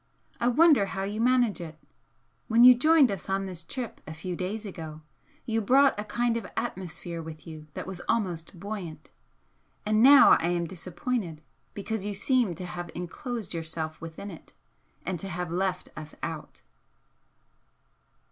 I wonder how you manage it? When you joined us on this trip a few days ago, you brought a kind of atmosphere with you that was almost buoyant, and now I am disappointed, because you seem to have enclosed yourself within it, and to have left us out!"